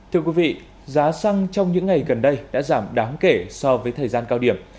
thưa quý vị giá xăng trong những ngày gần đây đã giảm đáng kể so với thời gian cao điểm